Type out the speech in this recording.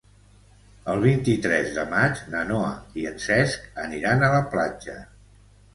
El vint-i-tres de maig na Noa i en Cesc aniran a la platja.